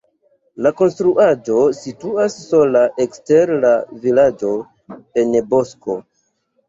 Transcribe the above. La konstruaĵo situas sola ekster la vilaĝo en bosko.